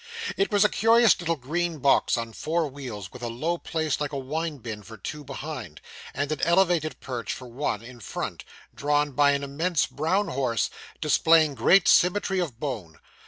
It was a curious little green box on four wheels, with a low place like a wine bin for two behind, and an elevated perch for one in front, drawn by an immense brown horse, displaying great symmetry of bone.